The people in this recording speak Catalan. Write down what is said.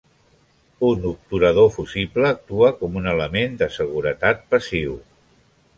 Un obturador fusible actua com un element de seguretat passiu.